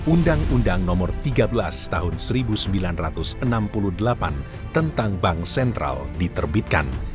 undang undang nomor tiga belas tahun seribu sembilan ratus enam puluh delapan tentang bank sentral diterbitkan